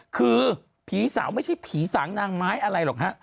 คือผีสาวไม่ใช่ผีสางนางไม้อะไรหรอกฮะ